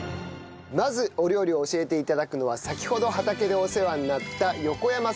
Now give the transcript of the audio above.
まずお料理を教えて頂くのは先ほど畑でお世話になった横山さんの奥様です。